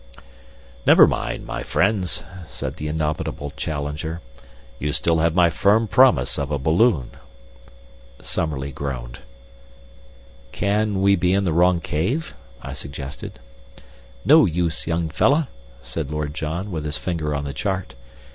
"Never mind, my friends," said the indomitable Challenger. "You have still my firm promise of a balloon." Summerlee groaned. "Can we be in the wrong cave?" I suggested. "No use, young fellah," said Lord John, with his finger on the chart.